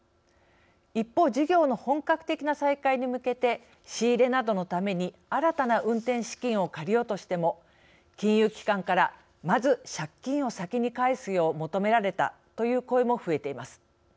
一方事業の本格的な再開に向けて仕入れなどのために新たな運転資金を借りようとしても金融機関からまず借金を先に返すよう求められたという声も増えています。